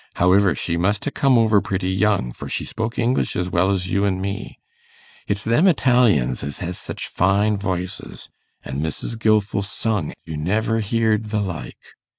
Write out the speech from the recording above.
Howiver, she must ha' come over pretty young, for she spoke English as well as you an' me. It's them Italians as has such fine voices, an' Mrs. Gilfil sung, you never heared the like.